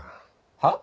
はっ！？